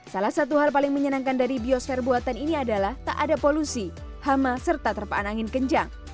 salah satu hal paling menyenangkan dari biosfer buatan ini adalah tak ada polusi hama serta terpaan angin kencang